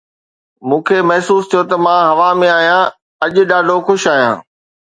مون کي محسوس ٿيو ته مان هوا ۾ آهيان، اڄ ڏاڍو خوش آهيان